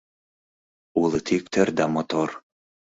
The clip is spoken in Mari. Улыт иктӧр да мотор;